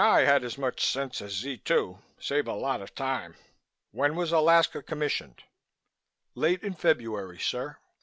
I. had as much sense as Z 2. Save a lot of time. When was Alaska commissioned?" "Late in February, sir!